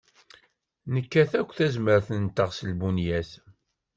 Nekkat akk tazmert-nteɣ s lbunyat.